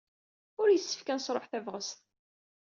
Ur yessefk ad nesṛuḥ tabɣest.